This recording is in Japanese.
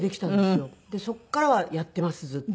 そこからはやっていますずっと。